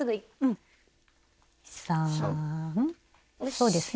そうですね。